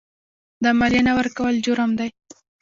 د مالیې نه ورکول جرم دی.